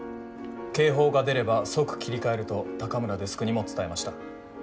警報が出れば即切り替えると高村デスクにも伝えました。